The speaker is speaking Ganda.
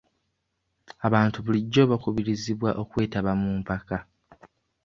Abantu bulijjo bakubirizibwa okwetaba mu mpaka.